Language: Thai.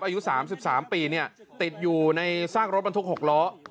อายุ๓๓ปีติดอยู่ในซากรถบรรทุก๖ล้อ